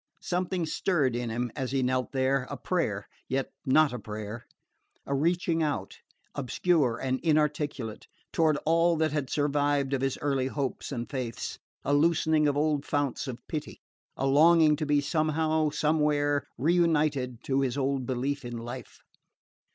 Something stirred in him as he knelt there a prayer, yet not a prayer a reaching out, obscure and inarticulate, toward all that had survived of his early hopes and faiths, a loosening of old founts of pity, a longing to be somehow, somewhere reunited to his old belief in life.